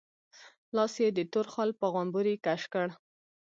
لاس يې د تور خال په غومبري کش کړ.